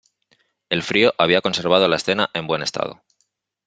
El frío había conservado la escena en buen estado.